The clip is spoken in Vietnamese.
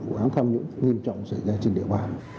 vụ án tham nhũng nghiêm trọng xảy ra trên địa bàn